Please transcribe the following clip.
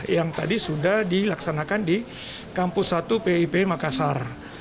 yang tadi sudah dilaksanakan di kampus satu pip makassar